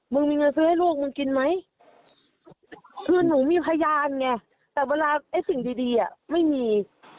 มึงมีเงินซื้อให้ลูกมึงกินไหมคือหนูมีพยานไงแต่เวลาไอ้สิ่งดีดีอ่ะไม่มี